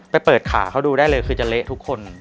ไปเปิดขาเขาดูได้เลยคือจะเละทุกคน